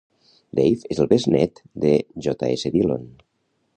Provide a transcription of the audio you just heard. Dave és el besnet de J. S. Dillon.